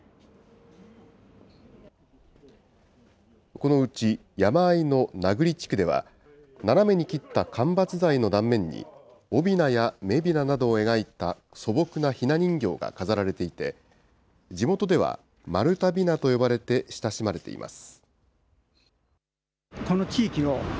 このうち、山あいの名栗地区では、斜めに切った間伐材の断面に、おびなやめびななどを描いた、素朴なひな人形が飾られていて、地元では、丸太びなと呼ばれて親しまれています。